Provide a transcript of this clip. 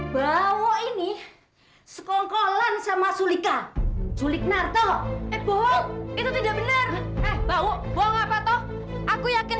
bawa ini sekongkolan sama sulika sulik narto ebola itu tidak bener eh bawa bawa apa tuh aku yakin